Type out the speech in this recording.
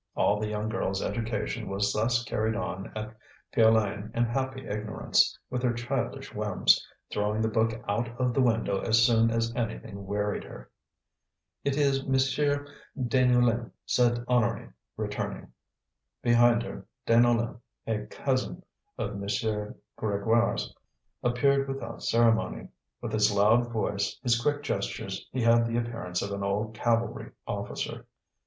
All the young girl's education was thus carried on at Piolaine in happy ignorance, with her childish whims, throwing the book out of the window as soon as anything wearied her. "It is M. Deneulin," said Honorine, returning. Behind her, Deneulin, a cousin of M. Grégoire's, appeared without ceremony; with his loud voice, his quick gestures, he had the appearance of an old cavalry officer.